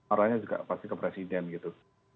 arahnya juga pasti ke presiden gitu